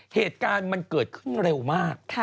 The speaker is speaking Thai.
เหตุการณ์มันเกิดขึ้นเร็วมาก